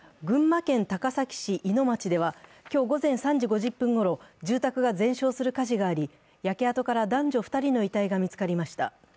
群馬県高崎市井野町では今日午前３時５０分ごろ、住宅が全焼する火事があり、焼け跡から男女２人の遺体が見つかりました。